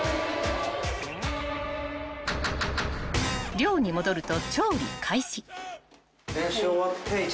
［寮に戻ると］